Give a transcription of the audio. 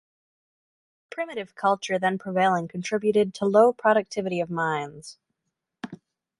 The primitive culture then prevailing contributed to low productivity of mines.